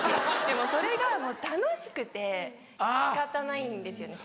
それがもう楽しくて仕方ないんですよね。